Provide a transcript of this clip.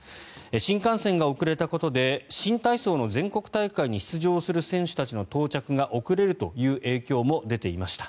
新幹線が遅れたことで新体操の全国大会に出場する選手たちの到着が遅れるという影響も出ていました。